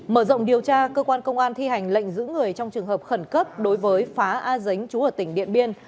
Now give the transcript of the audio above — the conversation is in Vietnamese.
mở rộng điều tra cơ quan công an thi hành lệnh giữ người trong trường hợp khẩn cấp đối với phá a dính chú ở tỉnh điện biên